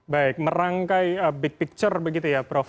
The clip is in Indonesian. baik merangkai big picture begitu ya prof